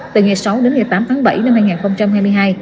từ ngày sáu đến ngày tám tháng bảy năm hai nghìn hai mươi hai